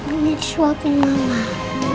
ini suatu malam